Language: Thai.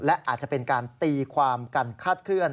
และอาจจะเป็นการตีความกันคาดเคลื่อน